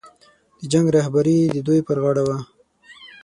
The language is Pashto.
د جنګ رهبري د دوی پر غاړه وه.